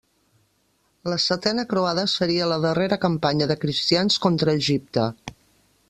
La setena croada seria la darrera campanya de cristians contra Egipte.